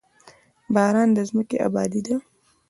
باران د ځمکې ابادي ده.